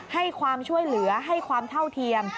ให้ความช่วยเหลือให้ความเท่าเทียม